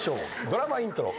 ドラマイントロ。